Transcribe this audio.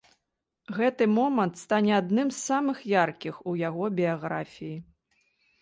Гэты момант стане адным з самых яркіх у яго біяграфіі.